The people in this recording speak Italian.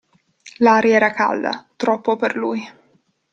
L'aria era calda, troppo per lui.